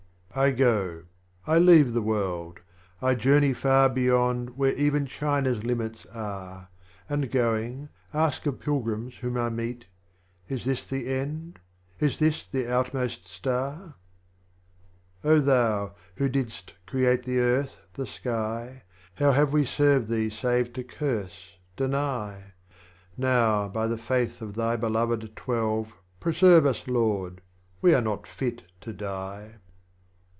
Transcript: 54. I go â€" I leave the AYorld â€" I journey far Bevond where even China's limits are, And going, ask of Pilgrims whom I meet, " Is this the End ? Is this the Outmost Star ?" 55. Thou Who didst create the Earth, the Sky, How have we served Thee save to curse, deny ? Now by the Faith of Thy Beloved Twelve, Preserve us Lord â€" we are not fit to die.